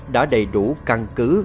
đã đầy đủ căn cứ